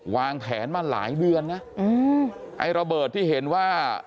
วางแผนมาหลายเดือนนะอืมไอ้ระเบิดที่เห็นว่า